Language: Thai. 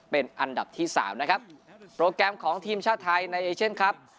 เป็นอันดับที่สามนะครับโปรแกรมของทีมชาติไทยในเอเชียนครับ